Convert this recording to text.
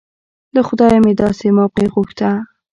له خدايه مې داسې موقع غوښته.